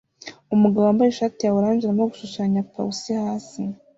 Umugabo wambaye ishati ya orange arimo gushushanya pawusi hasi